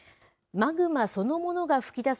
マグマそのものが噴き出す